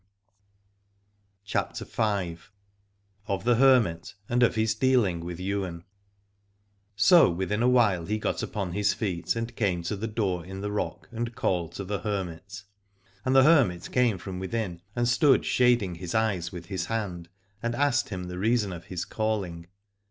25 CHAPTER V. OF THE HERMIT AND OF HIS DEALING WITH YWAIN. So within a while he got upon his feet and came to the door in the rock and called to the hermit ; and the hermit came from within and stood shading his eyes with his hand, and asked him the reason of his call ing.